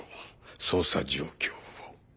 捜査状況を。